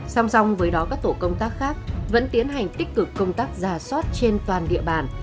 song song với đó các tổ công tác khác vẫn tiến hành tích cực công tác giả soát trên toàn địa bàn